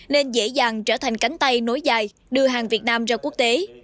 nên dễ dàng trở thành cánh tay nối dài đưa hàng việt nam ra quốc tế